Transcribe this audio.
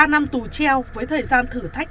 ba năm tù treo với thời gian thử thách